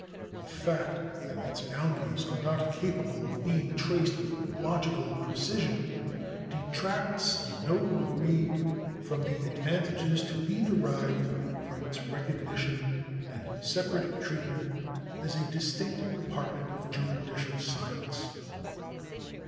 The fact that its boundaries are not capable of being traced with logical precision detracts in no degree from the advantages to be derived from its recognition and separate treatment as a distinct department of juridical science.